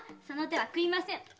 その手は食いません。